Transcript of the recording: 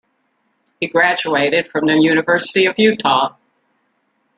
He graduated from the University of Utah.